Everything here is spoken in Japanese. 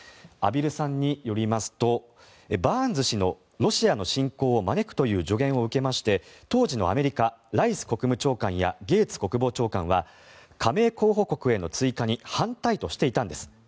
畔蒜さんによりますとバーンズ氏のロシアの侵攻を招くという助言を受けまして当時のアメリカライス国務長官やゲーツ国防長官は加盟候補国への追加に反対としていたんです。